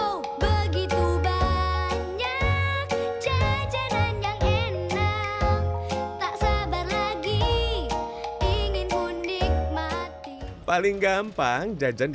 oh begitu banyak jajanan yang enak tak sabar lagi ingin pun nikmati paling gampang jajan di